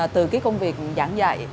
từ cái công việc giảng dạy